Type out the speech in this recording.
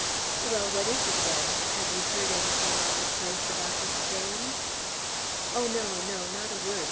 "Well, what is it, then? Have you heard anything on the place about his staying?" "Oh, no, no; not a word!"